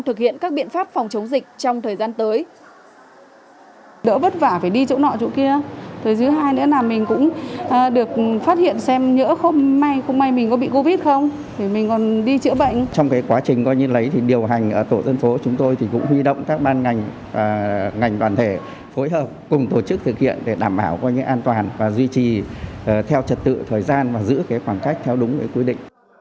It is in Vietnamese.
thực hiện các biện pháp phòng chống dịch trong thời gian tới